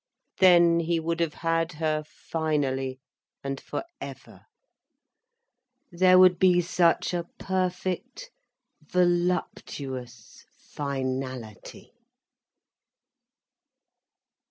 Then he would have had her finally and for ever; there would be such a perfect voluptuous finality.